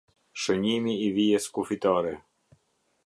Shënjimi i vijës kufitare.